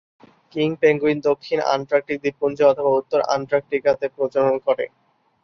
King penguin দক্ষিণ Antarctic দ্বীপপুঞ্জে অথবা উত্তর অ্যান্টার্কটিকা তে প্রজনন করে।